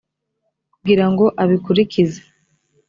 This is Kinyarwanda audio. kugira ngo abikurikize.